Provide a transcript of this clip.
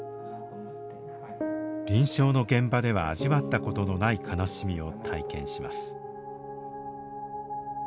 臨床の現場では味わったことのない悲しみを体験します。